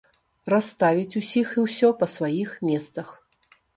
Расставіць усіх і ўсё па сваіх месцах.